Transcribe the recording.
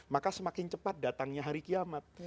maka semakin cepat datangnya hari kiamat